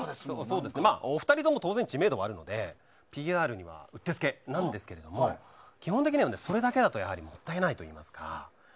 お二人とも当然、知名度があるのでＰＲには打ってつけなんですけれども基本的にはそれだけだともったいないといいますか。